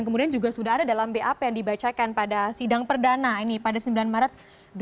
kemudian juga sudah ada dalam bap yang dibacakan pada sidang perdana ini pada sembilan maret dua ribu dua puluh